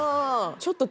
ちょっと。